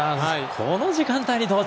この時間帯に同点。